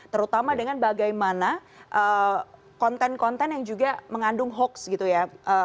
terutama dengan bagaimana konten konten yang juga mengandung hoax gitu ya